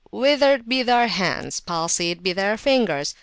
withered be their hands! palsied be their fingers!